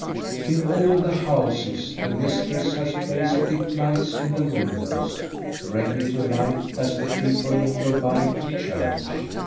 In all the houses the mistress has placed dip lights in the windows, ready to light as r CHRISTMAS EVE 41 the people go by to church.